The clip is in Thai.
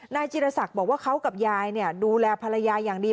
นายจิแรศกบอกว่าเขากับยายดูแลภรรยาอย่างดี